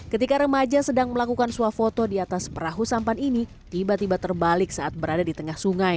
ketika remaja sedang melakukan swafoto di atas perahu sampan ini tiba tiba terbalik saat berada di tengah sungai